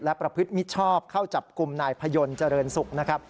และประพฤติมิชชอบเข้าจับกลุ่มนายพยนต์เจริญศุกร์นะครับ